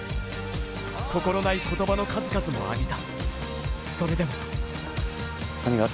心ない言葉の数々も浴びた。